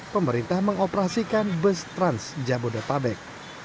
pemerintah mengoperasikan bus trans jabodetabek